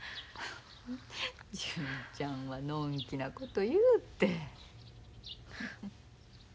純ちゃんはのんきなこと言うて。